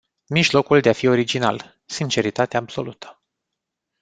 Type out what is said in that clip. Mijlocul de a fi original: sinceritate absolută.